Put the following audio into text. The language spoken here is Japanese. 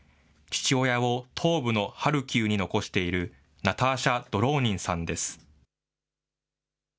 父親を東部のハルキウに残しているナターシャ・ドローニンさんです。